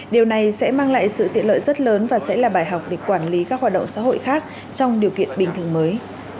điều này sẽ mang lại sự tiện lợi rất lớn và sẽ là bài học để quản lý các hoạt động xã hội khác trong điều kiện bình thường mới